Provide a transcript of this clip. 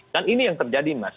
dan ini yang terjadi mas